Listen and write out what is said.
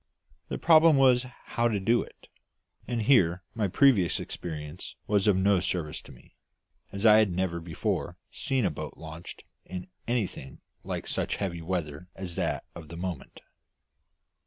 The problem was how to do it; and here my previous experience was of no service to me, as I had never before seen a boat launched in anything like such heavy weather as that of the moment.